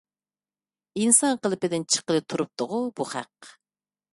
ئىنسان قېلىپىدىن چىققىلى تۇرۇپتىغۇ بۇ خەق.